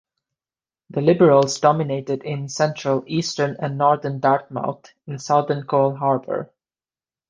The Liberals dominated in Central, Eastern and Northern Dartmouth and in southern Cole Harbour.